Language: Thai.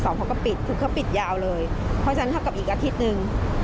เขาก็ปิดคือเขาปิดยาวเลยเพราะฉะนั้นเท่ากับอีกอาทิตย์หนึ่ง